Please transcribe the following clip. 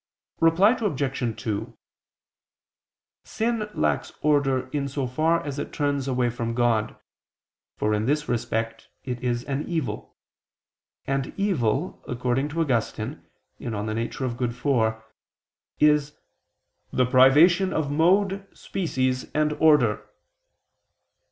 Reply Obj. 2: Sin lacks order in so far as it turns away from God, for in this respect it is an evil, and evil, according to Augustine (De Natura Boni iv), is "the privation of mode, species and order."